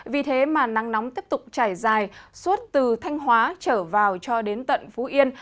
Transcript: vì thế mà nắng nóng tiếp tục trải dài suốt từ thanh hóa trở vào cho đến tận phú yên